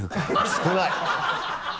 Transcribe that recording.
少ない！